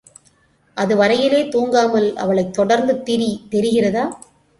அதுவரையிலே தூங்காமல் அவளைத் தொடர்ந்து திரி தெரிகிறதா!